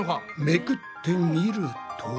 めくってみると。